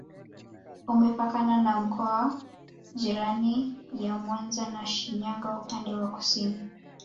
Umepakana na mikoa jirani ya Mwanza na Shinyanga upande wa kusini